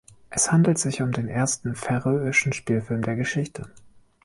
Es handelt sich um den ersten färöischen Spielfilm der Geschichte.